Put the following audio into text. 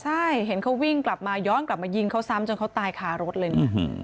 ใช่เห็นเขาวิ่งกลับมาย้อนกลับมายิงเขาซ้ำจนเขาตายคารถเลยนะ